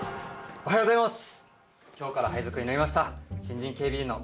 おはようございます。